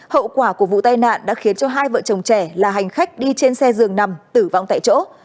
hậu quả của vụ tai nạn đã khiến cho hai vợ chồng trẻ là hành khách đi trên xe dường nằm tử vong tại chỗ